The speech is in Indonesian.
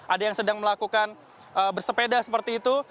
ada yang sedang melakukan bersepeda seperti itu